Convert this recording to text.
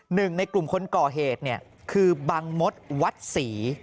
หนึ่งในกลุ่มคนก่อเหตุเนี่ยคือบังมดวัดศรี